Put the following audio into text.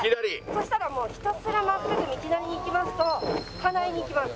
そしたらもうひたすら真っすぐ道なりに行きますと金井に行きます。